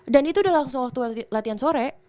dan itu udah langsung waktu latihan sore